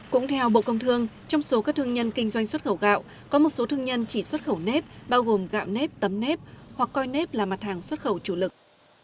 cũng theo bộ công thương trong số các thương nhân kinh doanh xuất khẩu gạo có một số thương nhân chỉ xuất khẩu nếp bao gồm gạo nếp tấm nếp hoặc coi nếp là mặt hàng xuất khẩu chủ lực